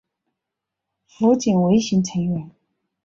浦井唯行成员。